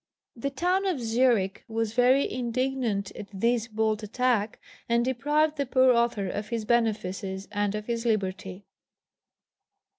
The town of Zürich was very indignant at this bold attack, and deprived the poor author of his benefices and of his liberty.